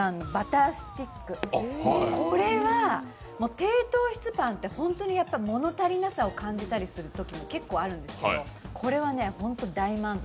低糖質パンって本当にもの足りなさを感じるときも結構あるんですけど、これは、本当に大満足。